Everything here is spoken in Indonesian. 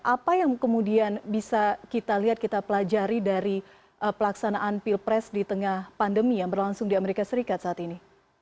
apa yang kemudian bisa kita lihat kita pelajari dari pelaksanaan pilpres di tengah pandemi yang berlangsung di amerika serikat saat ini